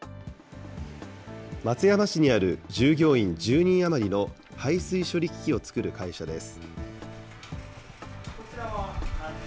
松山市にある従業員１０人余りの排水処理機器を作る会社です。